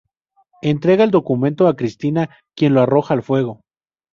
Entrega el documento a Kristina, quien lo arroja al fuego.